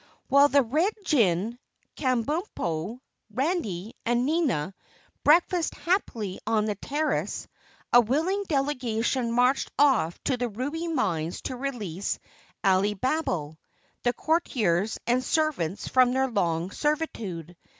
While the Red Jinn, Kabumpo, Randy and Nina breakfasted happily on the terrace, a willing delegation marched off to the ruby mines to release Alibabble, the courtiers and servants from their long servitude.